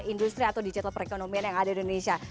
industri atau digital perekonomian yang ada di indonesia